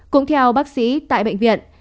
cũng theo bác sĩ tại bệnh viện